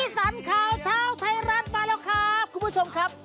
สันข่าวเช้าไทยรัฐมาแล้วครับคุณผู้ชมครับ